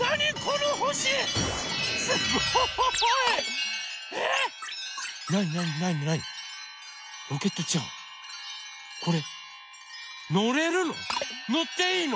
ロケットちゃんこれのれるの？